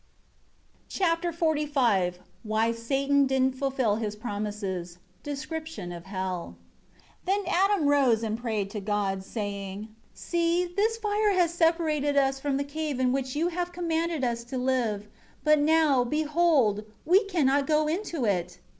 Chapter XLV Why Satan didn't fulfil his promises. Description of hell. 1 Then Adam rose and prayed to God, saying, "See, this fire has separated us from the cave in which You have commanded us to live; but now, behold, we cannot go into it."